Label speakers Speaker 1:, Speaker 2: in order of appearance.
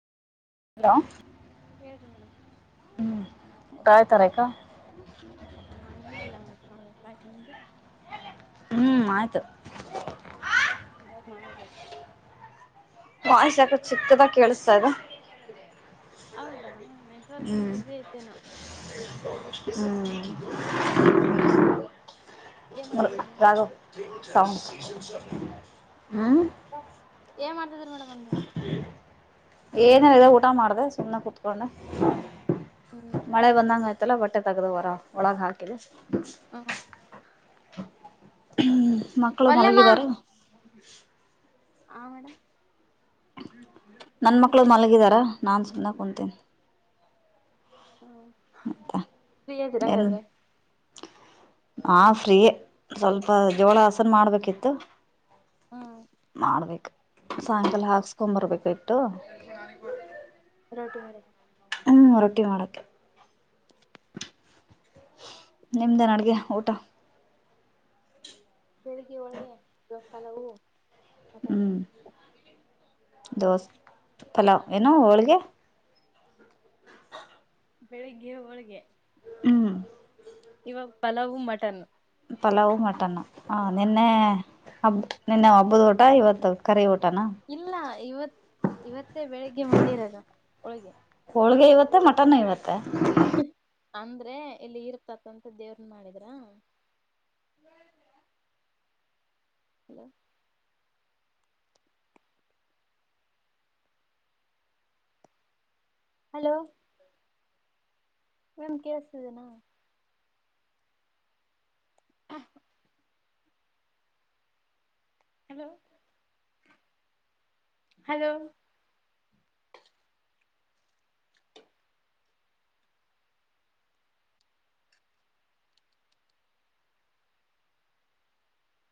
Speaker 1: Hello.
Speaker 2: ಹೇಳ್ರಿ madam.
Speaker 1: ಹೂ ಊಟ ಆಯ್ತಾ ರೇಖಾ.
Speaker 2: ಹಾ ಇನ ಇಲ್ಲಾ ಮೇಡಮ್ ಮಾಡ್ಬೇಕು ಆಯ್ತಾ ನಿಮ್ದು.
Speaker 1: ಹ್ಮ್ ಆಯ್ತು.
Speaker 2: ಹೋಗಿ ಮಾಡ್ಬೇಕು.
Speaker 1: ವಾಯ್ಸ್ ಯಾಕೊ ಚಿಕ್ಕದಾಗಿ ಕೇಳಿಸ್ತಾ ಇದೆ.
Speaker 2: ಹೌದಾ ನೆಟ್ವರ್ಕಿಗಿನಾ
Speaker 1: ಹ್ಮ್
Speaker 2: ಬಿಸಿ ಐತೇನೋ.
Speaker 1: ಹ್ಮ್.
Speaker 2: ಏನ್ ಮಾಡ್ತಿದ್ರಿ
Speaker 1: [unintelligible]
Speaker 2: ಮೇಡಮ್
Speaker 1: ರಘು ಹ್ಮ್. [unintelligible]
Speaker 2: ಏನ್ ಮಾಡ್ತಿದ್ರಿ ಮೇಡಮ್. [unintelligible]
Speaker 1: ಏನ್ ಇಲ್ಲಾ ಊಟ ಮಾಡ್ದೆ ಸುಮ್ನೆ ಕುತ್ಗೊಂಡೆ.
Speaker 2: ಹ್ಮ್
Speaker 1: ಮಳೆ ಬಂದಂಗ ಆಯ್ತಲ್ಲ ಬಟ್ಟೆ ತಗ್ದು ಹೊರ ಒಳಗ ಹಾಕಿದೆ.
Speaker 2: ಹ್ಮ
Speaker 1: ಹ್ಮ್ ಮಕ್ಕಳು ಮಲಗಿದರೆ ಏನು.
Speaker 2: ಹಾ ಮೇಡಮ್.
Speaker 1: ನಾನ್ ಮಕ್ಳು
Speaker 2: ಮತ್ತ
Speaker 1: ಮಲಗಿದಾರಾ ನಾನು ಸುಮ್ಮನೆ ಕುಂತೀನಿ.
Speaker 2: ಹ್ಮ್
Speaker 1: ಮತ್ತೆ
Speaker 2: ಫ್ರೀ ಇದೀರಾ
Speaker 1: ಏನ್
Speaker 2: ಅಂಗಾದ್ರೆ.
Speaker 1: ಹಾ ಫ್ರೀಯೇ ಸ್ವಲ್ಪ ಜೋಳ ಹಸನ ಮಾಡ್ಬೇಕಿತ್ತು.
Speaker 2: ಹ್ಮ್
Speaker 1: [unintelligible] ಮಾಡ್ಬೇಕು ಸಾಯಂಕಾಲ ಹಾಕ್ಕೊಂಡು ಬರಬೇಕಾ ಇಟ್ಟು. ನಾನ. [unintelligible]
Speaker 2: ರೋಟಿ ಮಾಡಿ.
Speaker 1: ಹೂ ರೊಟ್ಟಿ ಮಾಡೋಕ್ಕೆ. ನಿಮ್ದೆನ ಅಡಗಿ ಊಟ.
Speaker 2: ಬೆಳಿಗ್ಗೆ ಹೋಳಿಗೆ ಇವಾಗ ಪಲಾವು.
Speaker 1: ಹು
Speaker 2: ಮಟನ್
Speaker 1: ದೋಸೆ ಪಲಾವ್ ಏನೋ ಹೋಳಿಗೆ.
Speaker 2: ಬೆಳಿಗ್ಗೆ ಹೋಳಗೆ.
Speaker 1: ಹು
Speaker 2: ಇವಾಗ ಪಲಾವು ಮಟನ್.
Speaker 1: ಪಲಾವು ಮಟನ್ನ ಹಾ ನಿನ್ನೆ. ಹಬ್ಬ ನಿನ್ನೆ ಹಬ್ಬದ ಊಟ ಇವತ್ತು ಕರಿ ಊಟನಾ.
Speaker 2: ಇಲ್ಲಾ ಇವತ್ ಇವತ್ತೇ ಬೆಳಿಗ್ಗೆ ಮಾಡಿರದು ಹೋಳಗೆ.
Speaker 1: ಹೋಳ್ಗೆ ಇವತ್ತ ಮಟನ್ ಇವತ್ತ.
Speaker 2: ಅಂದ್ರೆ ಇಲ್ಲಿ ಇರ್ತಕ್ಕಂತ ದೇವರಿಗ ಮಾಡಿದ್ರಾ. ಹಲೋ ಹಲೋ ಮೇಮ್ ಕೇಳಸ್ಟಿದೇನಾ. ಕ್ಷಹ. Hello hello